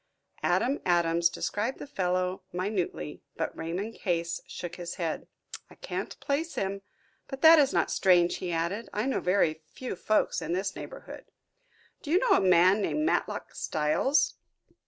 Adam Adams described the fellow minutely, but Raymond Case shook his head. "I can't place him. But that is not strange," he added. "I know very few folks in this neighborhood." "Do you know a man named Matlock Styles."